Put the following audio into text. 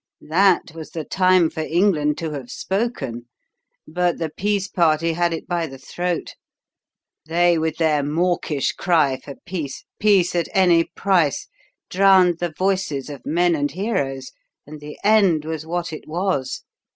That was the time for England to have spoken. But the peace party had it by the throat; they, with their mawkish cry for peace peace at any price! drowned the voices of men and heroes, and the end was what it was!